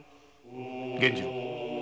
源次郎。